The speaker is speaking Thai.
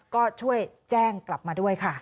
ก็ช่วยแจ้งกลับมาด้วยค่ะ